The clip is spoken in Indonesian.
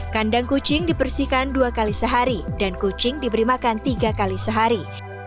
kandang kucing dibersihkan dua kali sehari dan kucing diberi makan tiga kali sehari